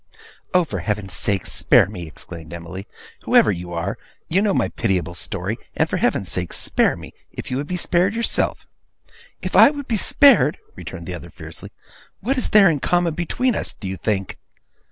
'Oh, for Heaven's sake, spare me!' exclaimed Emily. 'Whoever you are, you know my pitiable story, and for Heaven's sake spare me, if you would be spared yourself!' 'If I would be spared!' returned the other fiercely; 'what is there in common between US, do you think!